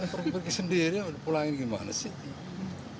pergi pergi sendiri pulangin gimana sih